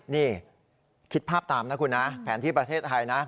นี่คิดภาพตามนะคุณนะแผนที่ประเทศไทยนะ